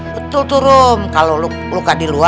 betul tuh rum kalau luka di luar